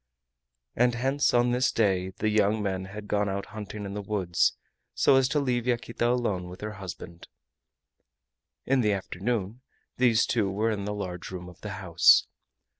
And hence on this day the young men had gone out hunting in the woods, so as to leave Yaquita alone with her husband. In the afternoon these two were in the large room of the house.